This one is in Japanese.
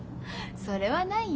それはないよ。